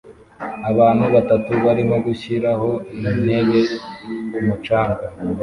Abantu batatu barimo gushiraho intebe ku mucanga